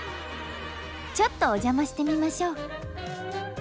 ちょっとお邪魔してみましょう。